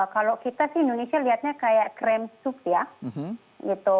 kalau kita sih indonesia lihatnya kayak cream sup ya gitu